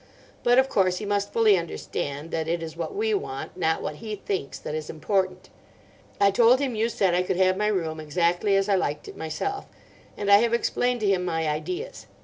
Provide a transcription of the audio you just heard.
But of course he must fully understand that it is what we want, not what he thinks, that is important. I told him you said I could have my room exactly as I liked it myself; and I have explained to him my ideas.